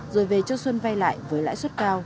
rồi về cho xuân vay lại với lãi suất cao